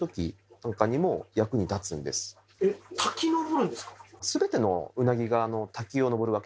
滝登るんですか？